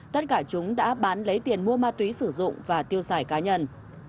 tất cả chúng đã bán lấy tiền mua ma túy sử dụng và tiêu xài cá nhân